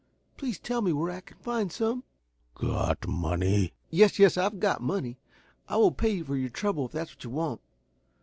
Please tell me where I can find some?" "Got money?" "Yes, yes, I've got money. I will pay you for your trouble if that is what you want.